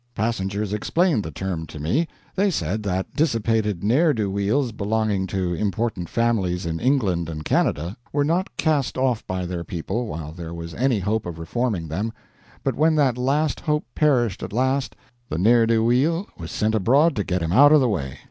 Passengers explained the term to me. They said that dissipated ne'er do weels belonging to important families in England and Canada were not cast off by their people while there was any hope of reforming them, but when that last hope perished at last, the ne'er do weel was sent abroad to get him out of the way.